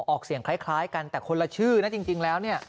ออกเสียงคล้ายกันแต่คนละชื่อนะจริงแล้วเนี่ย